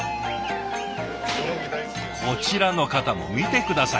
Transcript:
こちらの方も見て下さい！